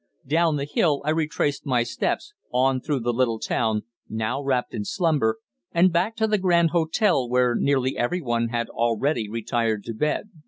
Down the hill I retraced my steps, on through the little town, now wrapped in slumber, and back to the Grand Hotel, where nearly every one had already retired to bed.